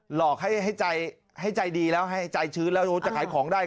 หลอกให้ใจดีแล้วให้ใจชื้นแล้วจะขายของได้